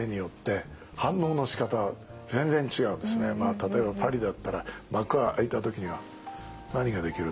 例えばパリだったら幕が開いた時には「何ができるの？